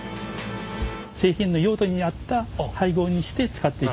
製品の用途に合った配合にして使っていると。